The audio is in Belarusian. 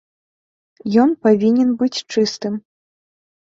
Ён павінен быць чыстым.